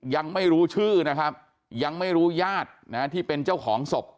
ยังไม่รู้ชื่อนะครับยังไม่รู้ญาตินะที่เป็นเจ้าของศพ